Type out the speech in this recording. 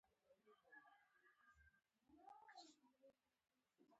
د درملو اندازه باید دقیق مراعت شي.